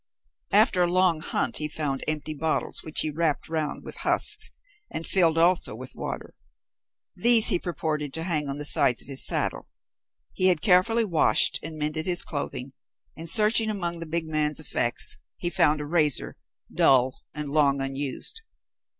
After a long hunt he found empty bottles which he wrapped round with husks and filled also with water. These he purposed to hang at the sides of his saddle. He had carefully washed and mended his clothing, and searching among the big man's effects, he found a razor, dull and long unused.